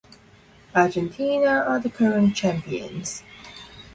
Argentina are the current champions.